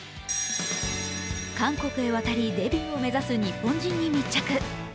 韓国へ渡りデビューを目指す日本人に密着。